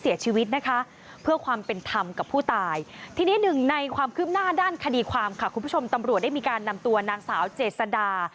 ยืบหน้าด้านคดีความค่ะคุณผู้ชมตำรวจได้มีการนำตัวนางสาวเจษฎา